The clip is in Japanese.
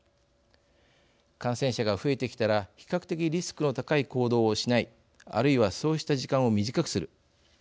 感染者が増えてきたら比較的リスクの高い行動をしないあるいはそうした時間を短くする。